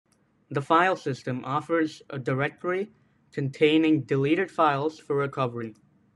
The filesystem offers a directory containing deleted files for recovery.